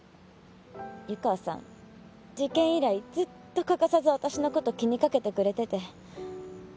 湯川さん事件以来ずっと欠かさず私のこと気にかけてくれてて。